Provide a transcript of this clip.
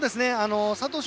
佐藤翔